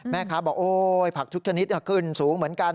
แม่ค้าบอกโอ๊ยผักทุกชนิดขึ้นสูงเหมือนกัน